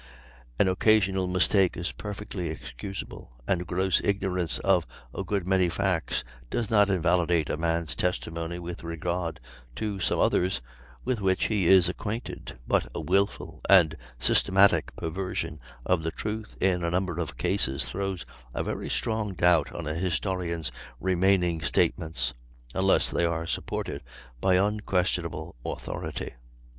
An occasional mistake is perfectly excusable, and gross ignorance of a good many facts does not invalidate a man's testimony with regard to some others with which he is acquainted; but a wilful and systematic perversion of the truth in a number of cases throws a very strong doubt on a historian's remaining statements, unless they are supported by unquestionable authority.